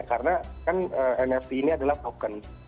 karena kan nft ini adalah token